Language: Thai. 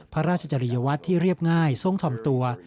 พระราชจริยวัตรที่เรียบง่ายทรงถ่อมตัว